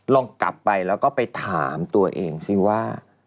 ลองกลับไปแล้วก็ไปถามตัวเองสิว่า